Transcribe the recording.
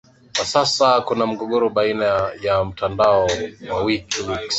kwa sasa kuna mgogoro baina ya mtandao wa wiki leaks